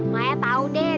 maya tau deh